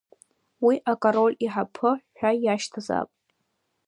Уи Акороль иҳаԥы ҳәа иашьҭазаап.